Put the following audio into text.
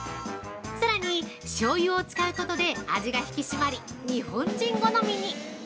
さらに、しょうゆを使うことで味が引き締まり、日本人好みに。